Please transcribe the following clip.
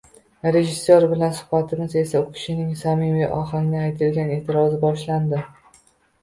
Rejissyor bilan suhbatimiz esa u kishining samimiy ohangda aytilgan e’tirozidan boshlandi: